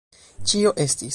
Ĉio estis.